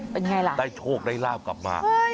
เป็นอย่างไรล่ะได้โชคได้ราบกลับมา